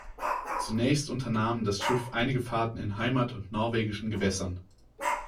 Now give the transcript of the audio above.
Zunächst unternahm das Schiff einige Fahrten in Heimat- und norwegischen Gewässern.